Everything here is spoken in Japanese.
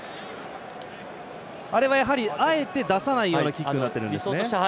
あれは、あえて出さないようなキックになっているんですね。